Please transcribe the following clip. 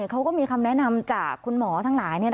เขาก็มีคำแนะนำจากคุณหมอทั้งหลาย